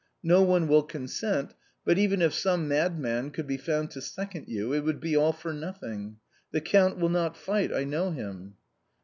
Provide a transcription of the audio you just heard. No one will consent, but even if some madman could be found to second you, it would be all for nothing. The Count will not fight ; I know him."